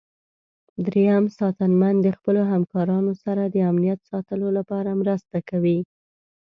دریم ساتنمن د خپلو همکارانو سره د امنیت ساتلو لپاره مرسته کوي.